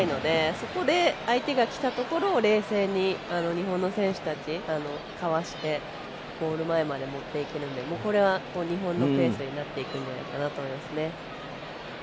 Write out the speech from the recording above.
そこで、相手がきたところを冷静に日本の選手たち、かわしてゴール前まで持っていけるのでこれは日本のペースになっていくんじゃないかなと思いますね。